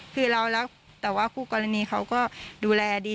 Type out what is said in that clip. คือเรารักแต่ว่าคู่กรณีเขาก็ดูแลดี